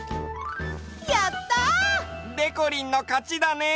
やった！でこりんのかちだね！